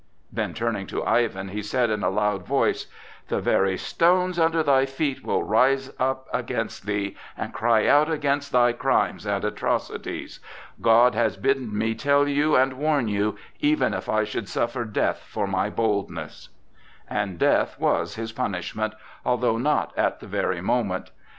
Then turning to Ivan, he said in a loud voice: "The very stones under thy feet will rise against thee and cry out against thy crimes and atrocities! God has bidden me tell you and warn you, even if I should suffer death for my boldness!" And death was his punishment, although not at the very moment.